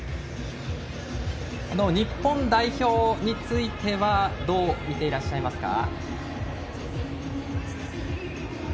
日本代表についてはどう見ていらっしゃいますか。